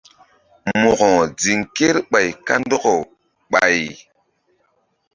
Mo̧ko ziŋ kerɓay kandɔkaw ɓay.